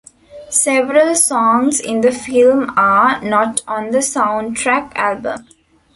Several songs in the film are not on the soundtrack album.